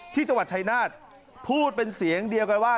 ที่จังหวัดชายนาฏพูดเป็นเสียงเดียวกันว่า